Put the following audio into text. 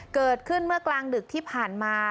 เกิดขึ้นเมื่อกลางดึกที่ผ่านมา